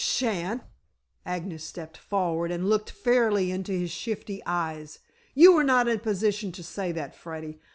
"Shan't!" Agnes stepped forward and looked fairly into his shifty eyes. "You are not in a position to say that, Freddy.